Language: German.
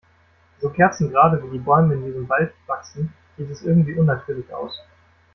So kerzengerade, wie die Bäume in diesem Wald wachsen, sieht es irgendwie unnatürlich aus.